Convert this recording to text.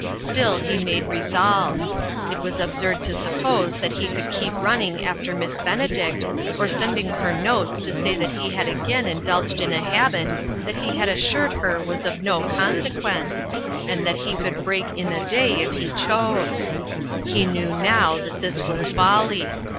Still he made resolves. It was ab surd to suppose that he could keep running after Miss Benedict, or sending her notes to say that he had again indulged in a habit that he had assured her was of no conse quence, and that he could break in a day if he chose. He knew now that this was folly.